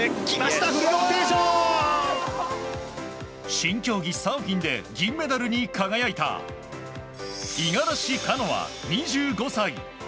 新競技サーフィンで銀メダルに輝いた五十嵐カノア、２５歳。